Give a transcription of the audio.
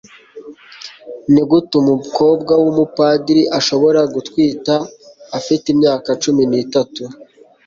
nigute umukobwa wumupadiri ashobora gutwita afite imyaka cumi n'itatu